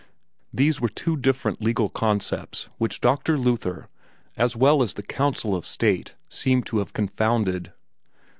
These were two different legal concepts which Dr. Luther, as well as the council of state, seemed to have confounded.